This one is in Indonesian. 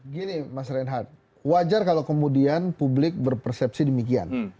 gini mas reinhardt wajar kalau kemudian publik berpersepsi demikian